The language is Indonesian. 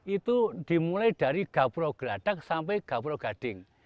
itu dimulai dari gabro gradak sampai gabrogading